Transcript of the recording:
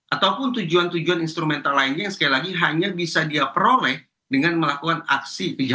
ataupun tujuan tujuan instrumental lainnya yang sekali lagi hanya bisa dia peroleh dengan melakukan aksi kejahatan